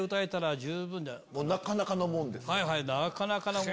なかなかのもんですか？